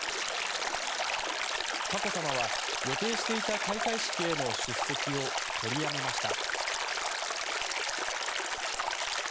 佳子さまは予定していた開会式への出席を取りやめました。